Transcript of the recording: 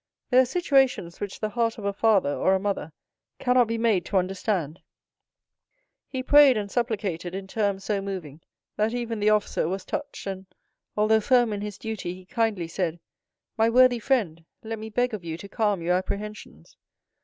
There are situations which the heart of a father or a mother cannot be made to understand. He prayed and supplicated in terms so moving, that even the officer was touched, and, although firm in his duty, he kindly said, "My worthy friend, let me beg of you to calm your apprehensions.